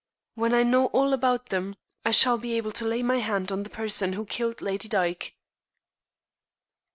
When I know all about them I shall be able to lay my hand on the person who killed Lady Dyke."